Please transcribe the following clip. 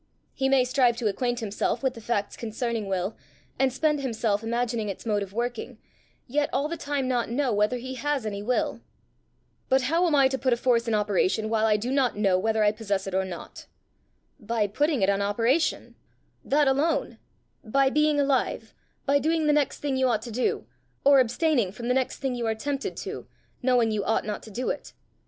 He may strive to acquaint himself with the facts concerning will, and spend himself imagining its mode of working, yet all the time not know whether he has any will." "But how am I to put a force in operation, while I do not know whether I possess it or not?" "By putting it in operation that alone; by being alive; by doing the next thing you ought to do, or abstaining from the next thing you are tempted to, knowing you ought not to do it.